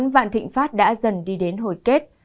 các bản thịnh pháp đã dần đi đến hồi kết